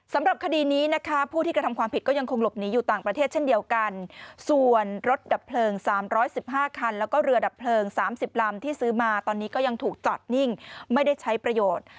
สำหรับคดีนี้นะคะผู้ที่กระทำความผิดก็ยังคงหลบหนีอยู่ต่างประเทศเช่นเดียวกันส่วนรถดับเพลิง๓๑๕คันแล้วก็เรือดับเพลิง๓๐ลำที่ซื้อมาตอนนี้ก็ยังถูกจอดนิ่งไม่ได้ใช้ประโยชน์